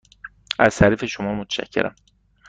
از تعریف شما متشکرم.